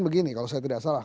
begini kalau saya tidak salah